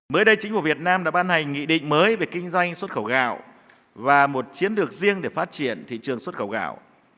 mới đây chính phủ việt nam đã ban hành nghị định mới về kinh doanh xuất khẩu gạo và một chiến lược riêng để phát triển thị trường xuất khẩu gạo